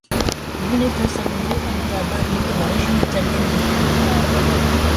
Lunetta Savino est née à Bari, dans la région italienne des Pouilles.